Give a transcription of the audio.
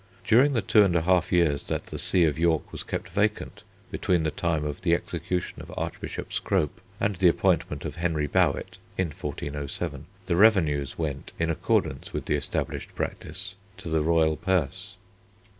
During the two and a half years that the see of York was kept vacant between the time of the execution of Archbishop Scrope and the appointment of Henry Bowett (in 1407), the revenues went, in accordance with the established practice, to the royal purse.